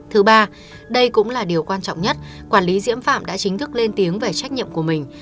thứ ba đây cũng là điều quan trọng nhất quản lý diễm phạm đã chính thức lên tiếng về trách nhiệm của mình